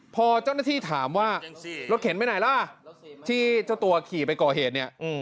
พอเจ้าหน้าที่ถามว่ารถเข็นไปไหนล่ะที่เจ้าตัวขี่ไปก่อเหตุเนี่ย